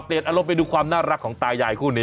อารมณ์ไปดูความน่ารักของตายายคู่นี้